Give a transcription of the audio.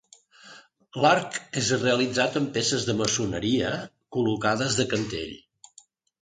L’arc és realitzat amb peces de maçoneria col·locades de cantell.